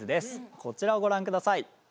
こちらをご覧ください。